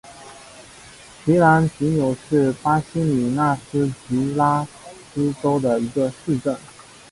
皮兰吉纽是巴西米纳斯吉拉斯州的一个市镇。